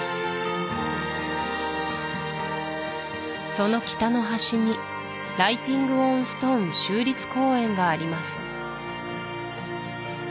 その北の端にライティング・オン・ストーン州立公園があります